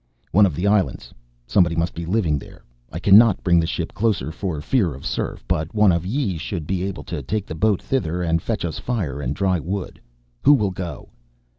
"One of the islands, somebody must be living there. I cannot bring the ship closer for fear of surf, but one of ye should be able to take the boat thither and fetch us fire and dry wood. Who will go?"